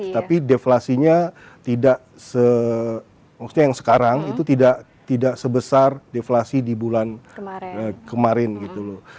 tapi deflasinya tidak se maksudnya yang sekarang itu tidak sebesar deflasi di bulan kemarin gitu loh